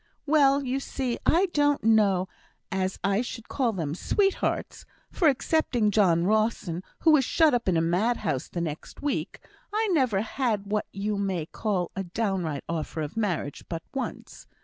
"Well, you see, I don't know as I should call them sweethearts; for excepting John Rawson, who was shut up in the mad house the next week, I never had what you may call a downright offer of marriage but once.